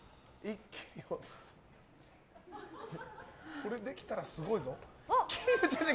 これできたらすごいぞ。